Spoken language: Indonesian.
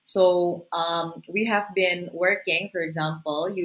kami telah bekerja misalnya